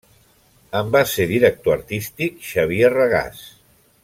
En va ser director artístic Xavier Regàs.